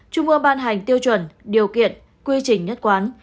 trung ương ban hành tiêu chuẩn điều kiện quy trình nhất quán